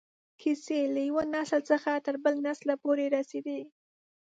کیسې له یو نسل څخه تر بل نسله پورې رسېدې.